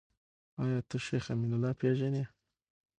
آيا ته شيخ امين الله پېژنې ؟